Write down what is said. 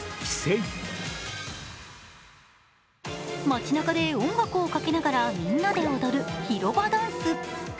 街なかで音楽をかけながらみんなで踊る広場ダンス。